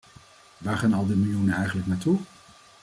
Waar gaan al die miljoenen eigenlijk naartoe?